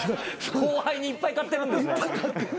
後輩にいっぱい買ってるんですね。